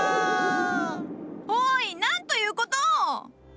おいなんということを！